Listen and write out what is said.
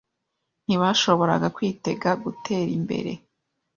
Ntibashoboraga kwitega gutera imbere.